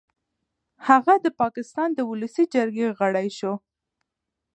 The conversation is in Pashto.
هغه د پاکستان د ولسي جرګې غړی شو.